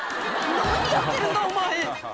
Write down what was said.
何やってるんだお前！」